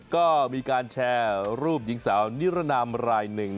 ก็มีการแชร์รูปหญิงสาวนิรนามรายหนึ่ง